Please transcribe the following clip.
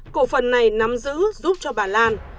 cổ phần này nằm giữ giúp cho bà lan